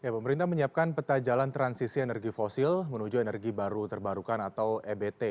pemerintah menyiapkan peta jalan transisi energi fosil menuju energi baru terbarukan atau ebt